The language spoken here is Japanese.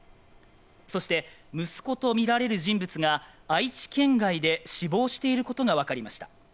そして息子とみられる人物が愛知県外で死亡していることが分かりました